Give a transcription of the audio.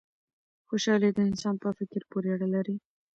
خوشحالي د انسان په فکر پوري اړه لري.